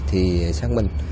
thì xác minh